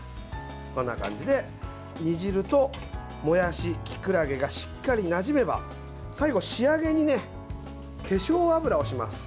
こんな感じで煮汁ともやしきくらげがしっかりなじめば最後、仕上げにね化粧油をします。